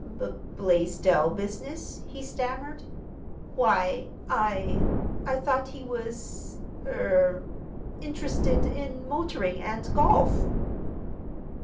"B Blaisdell business?" he stammered. "Why, I—I thought he was—er—interested in motoring and golf."